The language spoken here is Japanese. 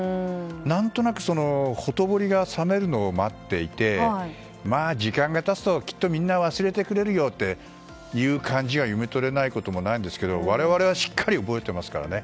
何となく、ほとぼりがさめるのを待っていて時間が経つと、きっとみんな忘れてくれるよという感じが読み取れないこともないんですが我々はしっかり覚えていますからね。